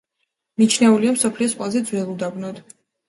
მიჩნეულია მსოფლიოს ყველაზე ძველ უდაბნოდ.